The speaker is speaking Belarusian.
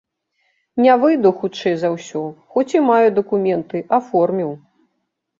Не выйду, хутчэй за ўсё, хоць і маю дакументы, аформіў.